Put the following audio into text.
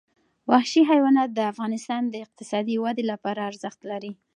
وحشي حیوانات د افغانستان د اقتصادي ودې لپاره ارزښت لري.